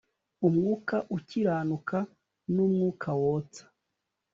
umwuka ukiranuka n umwuka wotsa